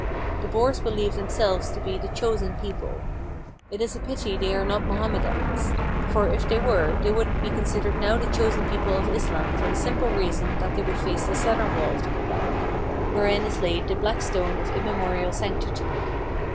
The Boers believe themselves to be the "chosen people." It is a pity they are not Moham medans. For, if they were, they would be considered now the chosen people of Islam for the simple reason that they would face the southern wall of the Kabah, 499 ARABIA wherein is laid the Black Stone of immemorial sanctity.